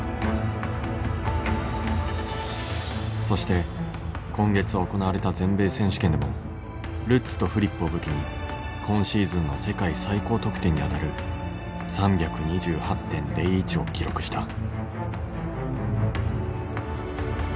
そして今月行われた全米選手権でもルッツとフリップを武器に今シーズンの世界最高得点にあたる３２８．０１を記録した。